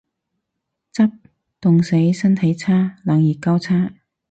執，凍死。身體差。冷熱交叉